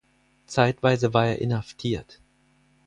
Zeitweise war er inhaftiert.